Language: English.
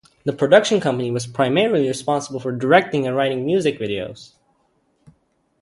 The production company was primarily responsible for directing and writing music videos.